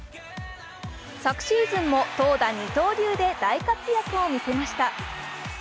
昨シーズンも投打二刀流で大活躍を見せました。